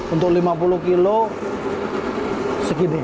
untuk lima puluh kilo segini